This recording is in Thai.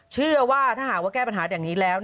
เชื่อว่าถ้าหากแก้ปัญหาแบบนี้แล้ว